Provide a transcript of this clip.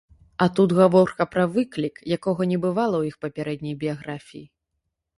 А тут гаворка пра выклік, якога не бывала ў іх папярэдняй біяграфіі.